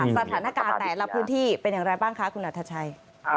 สถานการณ์แต่ละพื้นที่เป็นอย่างไรบ้างคะคุณอัธชัย